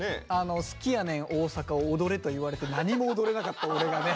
「好きやねん、大阪。」を踊れと言われて何も踊れなかった俺がね。